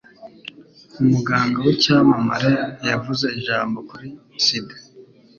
Umuganga w'icyamamare yavuze ijambo kuri sida.